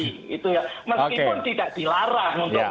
meskipun tidak dilarang untuk